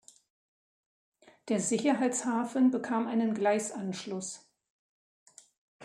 Der Sicherheitshafen bekam einen Gleisanschluss.